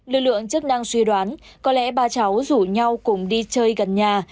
lực lượng chức năng suy đoán có lẽ ba cháu rủ nhau cùng đi chơi gần nhà